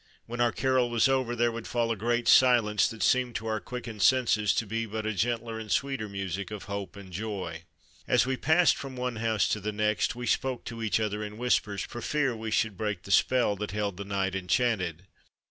When our carol was over there would fall a great silence that seemed to our quickened senses to be but a gentler and sweeter music of hope and joy. As we passed from one house to the next we spoke to each other in whispers for fear we should break the spell that held the night enchanted.